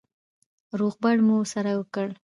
روغبړ مو سره وکړ.